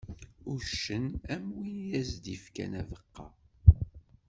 Uccen am win i as-d-yefkan abeqqa.